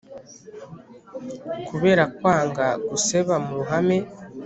Kubera kwanga guseba muruhame